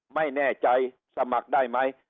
ไม่แน่ใจสมัครได้ไหม